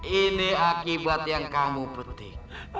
ini akibat yang kamu petik